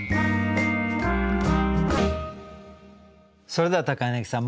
それでは柳さん